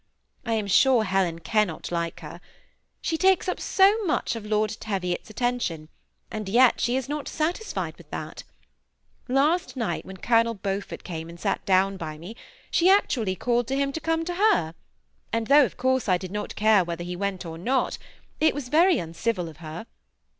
I am sure Helen cannot like her. She takes up so much of Lord Teviot's attention ; and yet she is not satisfied with that Last night when Colonel Beaufort came and sat down by me, she actually called to him to come to her ; and though of course I did not care whether he went or not, it was very uncivU of her.